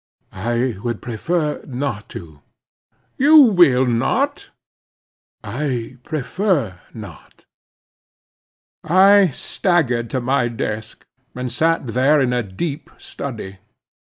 "I would prefer not to." "You will not?" "I prefer not." I staggered to my desk, and sat there in a deep study.